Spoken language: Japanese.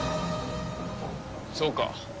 そうか。